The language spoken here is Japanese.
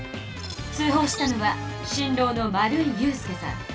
通ほうしたのは新郎の丸井優介さん。